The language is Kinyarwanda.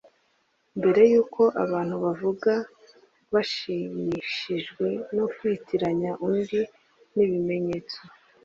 Mbere yuko abantu bavuga bashimishijwe no kwitiranya undi nibimenyetso